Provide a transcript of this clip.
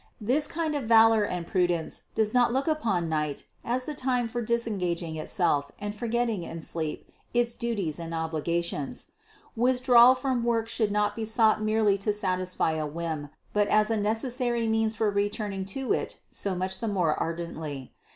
This kind of valor and prudence does not look upon night as the time for disengaging itself and forgetting in sleep its duties and obligations ; withdrawal from work should not be sought merely to satisfy a whim, but as a necessary means for returning to it so much the more ardently.